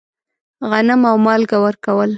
غنم او مالګه ورکول.